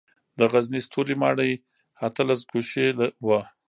د غزني ستوري ماڼۍ اتلس ګوشې وه